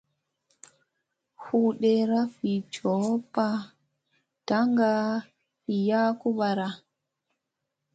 Huu deera vi jowappa ndaŋgar vi yakumbara.